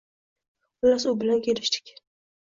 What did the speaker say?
Xullas, u bilan kelishdik